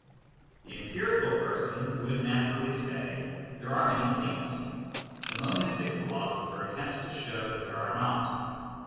The empirical person would naturally say, there are many things. The monistic philosopher attempts to show that there are not.